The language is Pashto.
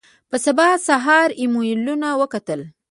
په سبا سهار ایمېلونه وکتل.